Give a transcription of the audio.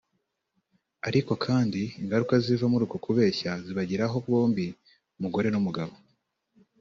ariko kandi ingaruka ziva muri uko kubeshya zibageraho bombi umugore n’umugabo